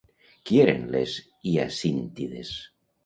Qui eren les Hiacíntides?